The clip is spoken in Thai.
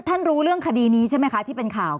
รู้เรื่องคดีนี้ใช่ไหมคะที่เป็นข่าว